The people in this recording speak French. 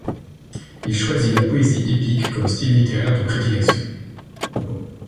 Il choisit la poésie épique comme style littéraire de prédilection.